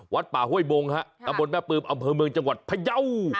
ป่าห้วยบงฮะตำบลแม่ปืมอำเภอเมืองจังหวัดพยาว